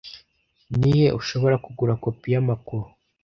Ni he ushobora kugura kopi yamakuru